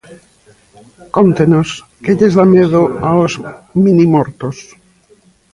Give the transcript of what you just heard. Cóntenos, que lles dá medo aos minimortos?